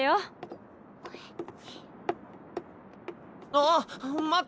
あっ待って。